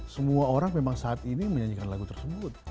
semua orang memang saat ini menyanyikan lagu tersebut